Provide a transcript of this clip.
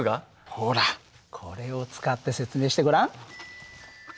ほらこれを使って説明してごらん。